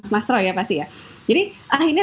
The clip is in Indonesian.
mas troy ya pasti ya jadi akhirnya